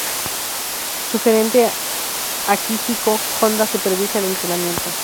Su gerente Akihiko Honda supervisa el entrenamiento.